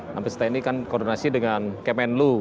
mabes tni kan koordinasi dengan kepala divisi penerangan tni